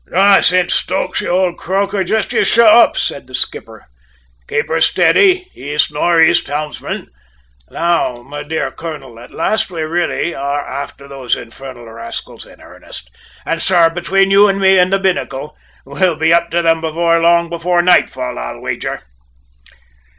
"Nonsense, Stokes, you old croker; just you shut up!" said the skipper. "Keep her steady, east nor' east, helmsman! Now, my dear colonel, at last we really are after those infernal rascals in earnest; and, sir, between you and me and the binnacle, we'll be up to them before long before nightfall, I'll wager!"